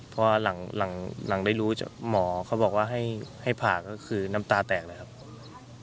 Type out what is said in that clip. เพราะว่าหลังได้รู้หมอเขาบอกว่าให้ผ่าก็คือน้ำตาแตกเลยครับ